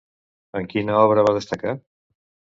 En quina obra va destacar?